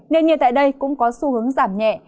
nền nhiệt tại đây cũng có xu hướng giảm nhẹ